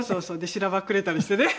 しらばっくれたりしてね。